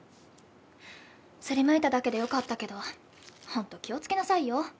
擦りむいただけでよかったけどほんと気をつけなさいよ。